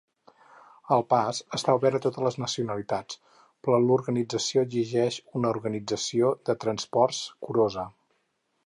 El pas està obert a totes les nacionalitats, però l'autorització exigeix una organització de transports curosa.